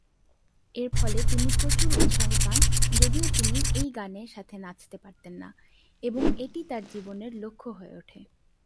এরফলে তিনি প্রচুর উৎসাহ পান, যদিও তিনি এই গানে সাথে নাচতে পারতেন না এবং এটি তার জীবনের লক্ষ্য হয়ে উঠে।